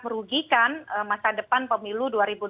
merugikan masa depan pemilu